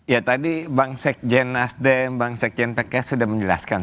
ya tadi bang sekjen nasdem bang sekjen pks sudah menjelaskan